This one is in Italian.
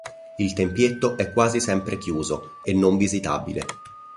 Il tempietto è quasi sempre chiuso e non visitabile.